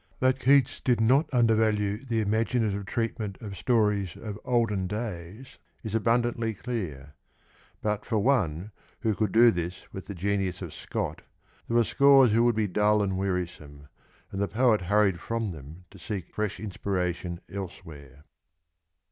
That Keats did not undervalue the imaginative treatment of stories of olden days is abundantly clear, but for one who could do this with the genius of Scott there were scores who would be dull and wearisome, and the poet hurried from them to seek fresh inspiration elsewhere.